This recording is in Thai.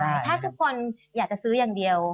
ถ้าทุกคนอยากจะซื้ออย่างเดียว